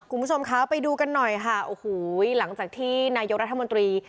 คุณผู้ชมคะไปดูกันหน่อยค่ะโอ้โหหลังจากที่นายกรัฐมนตรี